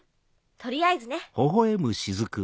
とりあえずね。